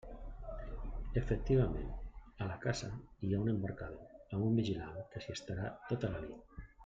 Efectivament, a la casa hi ha un embarcador amb un vigilant que s'hi estarà tota la nit.